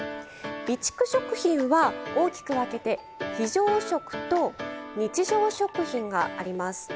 備蓄食品は大きく分けて非常食と日常食品があります。